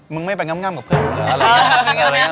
มึงไม่ไปง่ำกับเพื่อนมาเหรอ